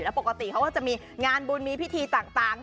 แล้วปกติเขาก็จะมีงานบุญมีพิธีต่าง